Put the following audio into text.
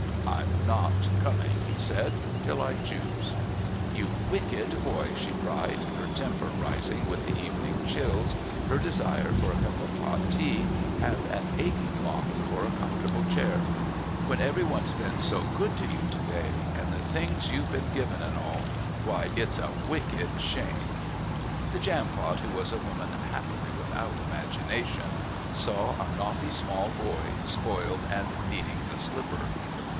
"I'm not coming," he said, "till I choose." "You wicked boy!" she cried, her temper rising with the evening chills, her desire for a cup of hot tea, and an aching longing for a comfortable chair. "When everyone's been so good to you to day and the things you've been given and all why, it's a wicked shame." The Jampot, who was a woman happily without imagination, saw a naughty small boy spoiled and needing the slipper.